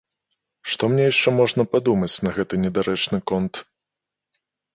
Што мне яшчэ можна падумаць на гэты недарэчны конт?